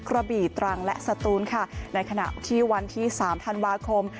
กระบี่ตรังและสตูนค่ะในขณะที่วันที่สามธันวาคม